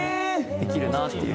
できるなっていう。